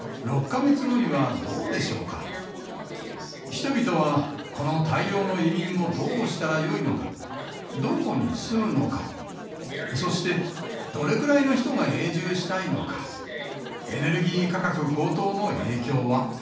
人々はこの大量の移民をどうしたらよいのかどこに住むのかそしてどれくらいの人が永住したいのかエネルギー価格高騰の影響は？